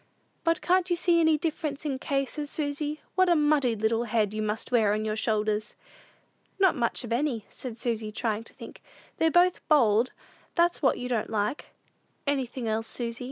'" "But can't you see any difference in the cases, Susy? What a muddy little head you must wear on your shoulders!" "Not much of any," said Susy, trying to think; "they're both bold; that's what you don't like." "Anything else, Susy?"